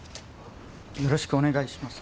よろしくお願いします。